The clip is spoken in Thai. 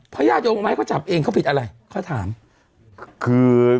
เพราะญาติโยงไม้เขาจับเองเขาผิดอะไรเขาถามคือ